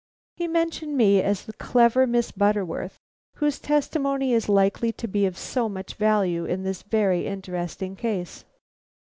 He mentioned me as the clever Miss Butterworth whose testimony is likely to be of so much value in this very interesting case.